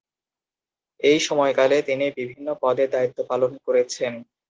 এই সময়কালে তিনি বিভিন্ন পদে দায়িত্ব পালন করেছেন।